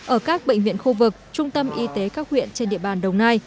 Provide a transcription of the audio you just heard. ở các bệnh viện khu vực trung tâm y tế các huyện trên địa bàn đồng nai